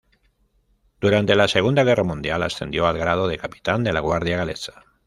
Durante la Segunda Guerra Mundial, ascendió al grado de capitán de la Guardia Galesa.